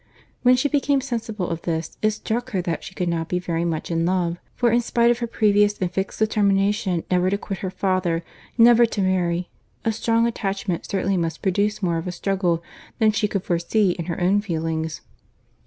When she became sensible of this, it struck her that she could not be very much in love; for in spite of her previous and fixed determination never to quit her father, never to marry, a strong attachment certainly must produce more of a struggle than she could foresee in her own feelings.